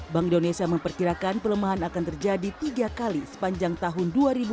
bank indonesia memperkirakan perlemahan akan terjadi tiga kali sepanjang tahun dua ribu delapan belas